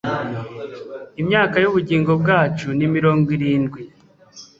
imyaka y'ubugingo bwacu ni mirongo irindwi